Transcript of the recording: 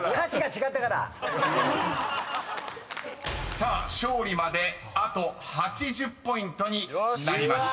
［さあ勝利まであと８０ポイントになりました］